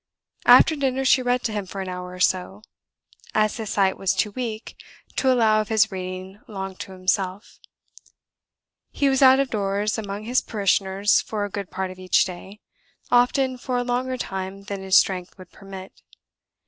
After dinner she read to him for an hour or so, as his sight was too weak to allow of his reading long to himself. He was out of doors among his parishioners for a good part of each day; often for a longer time than his strength would permit.